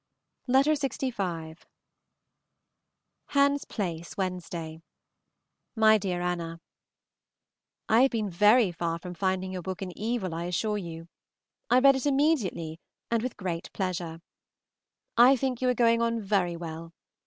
LXV. HANS PLACE, Wednesday. MY DEAR ANNA, I have been very far from finding your book an evil, I assure you. I read it immediately and with great pleasure. I think you are going on very well.